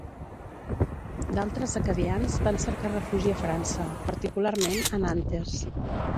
D'altres acadians van cercar refugi a França, particularment a Nantes.